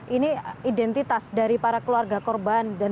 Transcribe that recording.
ini identitas dari para keluarga korban